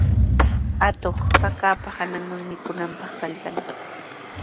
Atuq hakapa hananman mikunanpaq saltanaq.